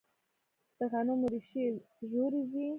د غنمو ریښې ژورې ځي.